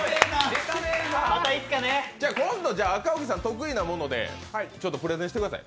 今度、赤荻さん得意なことでプレゼンしてください。